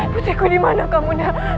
putriku dimana kamu